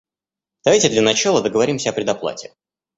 Давайте для начала договоримся о предоплате.